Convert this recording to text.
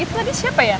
itu tadi siapa ya